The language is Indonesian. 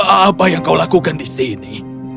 apa yang kau lakukan di sini